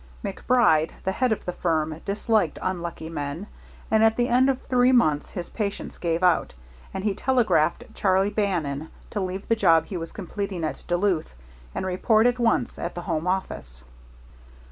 MacBride, the head of the firm, disliked unlucky men, and at the end of three months his patience gave out, and he telegraphed Charlie Bannon to leave the job he was completing at Duluth and report at once at the home office.